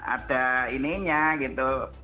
ada ininya gitu